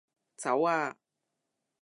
走啊